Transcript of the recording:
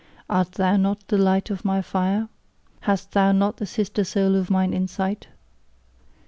Art thou not the light of my fire? Hast thou not the sister soul of mine insight?